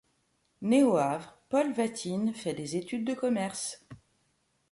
Né au Havre, Paul Vatine fait des études de commerce.